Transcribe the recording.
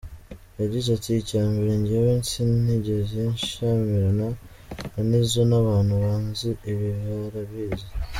Yagize ati "Icya mbere njyewe nsinigeze nshyamirana na Nizzo n’abantu banzi ibi barabizi.